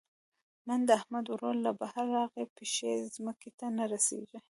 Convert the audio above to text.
نن د احمد ورور له بهر راغی؛ پښې ځمکې ته نه رسېږي.